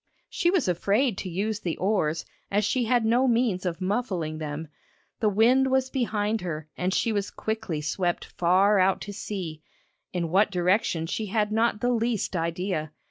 She was afraid to use the oars as she had no means of muffling them. The wind was behind her and she was quickly swept far out to sea, in what direction she had not the least idea.